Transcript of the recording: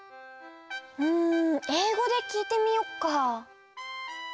うんえいごできいてみよっか。